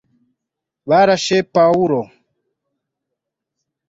barashe pawulo